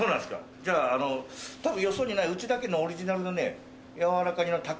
じゃああの多分よそにないうちだけのオリジナルのねやわらか煮のたこ